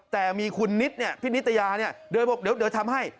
แต่มีคุณนิดพี่นิตยาเนี่ยเดี๋ยวทำให้